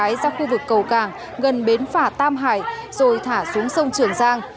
và con gái ra khu vực cầu càng gần bến phả tam hải rồi thả xuống sông trường giang